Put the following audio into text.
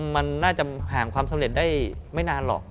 มันน่าจะผ่านความสำเร็จได้ไม่นานหรอก